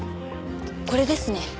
これですね。